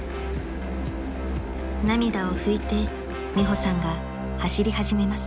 ［涙を拭いてリホさんが走り始めます］